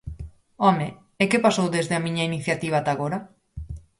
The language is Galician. ¡Home!, ¿e que pasou desde a miña iniciativa ata agora?